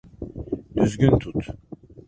Düzgün tut.